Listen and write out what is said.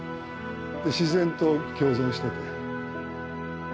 自然と共存してて。